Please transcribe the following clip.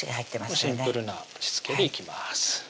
シンプルな味付けでいきます